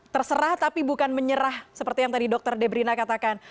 terserah tapi bukan menyerah seperti yang tadi dokter debrina katakan